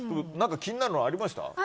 気になるのありました？